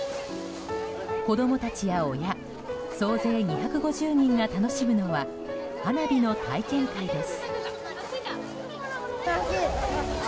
子供たちや親総勢２５０人が楽しむのは花火の体験会です。